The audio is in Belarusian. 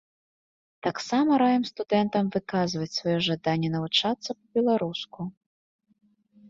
Таксама раім студэнтам выказваць сваё жаданне навучацца па-беларуску.